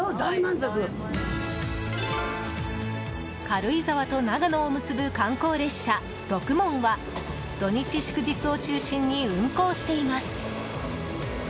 軽井沢と長野を結ぶ観光列車「ろくもん」は土日祝日を中心に運行しています。